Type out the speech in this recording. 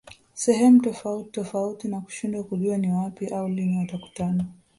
sehemu tofauti tofauti na kushindwa kujua ni wapi au lini watakutana